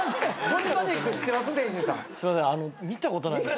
見たことないやん。